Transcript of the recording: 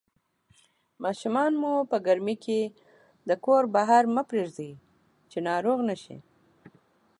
ماشومان مو په ګرمۍ کې د کور بهر مه پرېږدئ چې ناروغ نشي